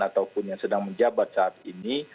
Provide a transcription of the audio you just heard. ataupun yang sedang menjabat saat ini